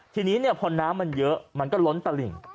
ทีนี้พอน้ำมันเยอะมันก็ล้นตลิ่ง